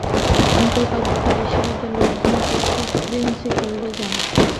তিনি কলকাতা বিশ্ববিদ্যালয়ের অধীনে প্রেসিডেন্সি কলেজে যান।